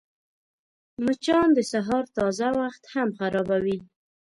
مچان د سهار تازه وخت هم خرابوي